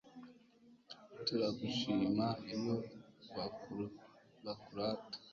turagushima iyo bakurata